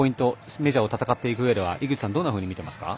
メジャーを戦っていくうえでは井口さんはどう見ていますか？